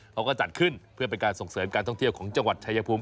เขาก็จัดขึ้นเพื่อเป็นการส่งเสริมการท่องเที่ยวของจังหวัดชายภูมิ